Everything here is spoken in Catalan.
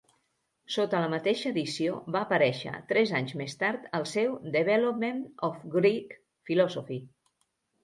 Sota la mateixa edició va aparèixer, tres anys més tard, el seu "Development of Greek Philosophy".